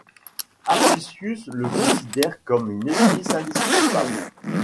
Apicius le considère comme une épice indispensable.